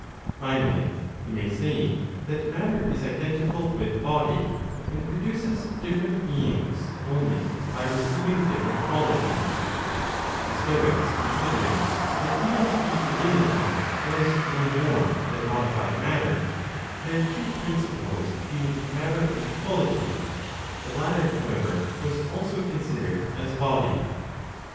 Finally, you may say that matter is identical with body, and produces different beings only by receiving different qualities (the Stoics considering that even the divinity was no more than modified matter, their two principles being matter and quality; the latter, however, was also considered as body).